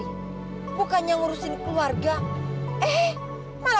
ibu sekarang jujur sama lia